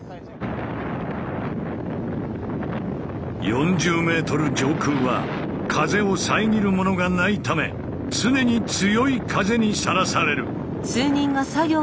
４０ｍ上空は風を遮るものがないため常に強い風にさらされる。